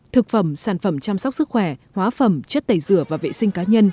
thực phẩm sản phẩm chăm sóc sức khỏe hóa phẩm chất tẩy rửa và vệ sinh cá nhân